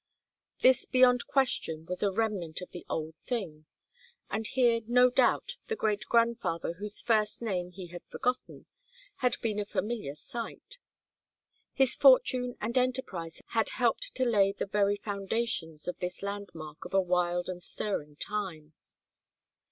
This beyond question was a remnant of the old thing, and here, no doubt, the great grandfather whose first name he had forgotten, had been a familiar sight; his fortune and enterprise had helped to lay the very foundations of this landmark of a wild and stirring time.